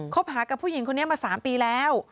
หากับผู้หญิงคนนี้มา๓ปีแล้ว